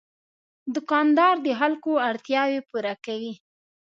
دوکاندار د خلکو اړتیاوې پوره کوي.